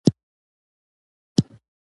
موږ ټول دې واده ته خوشحاله وو.